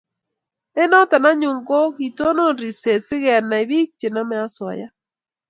eng' notok anyun ko ketonon ripset si kenai piik che namei asoya